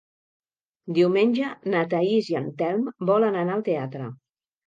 Diumenge na Thaís i en Telm volen anar al teatre.